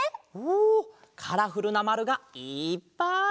おおカラフルなまるがいっぱい！